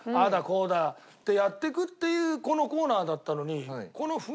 こうだってやっていくっていうこのコーナーだったのに。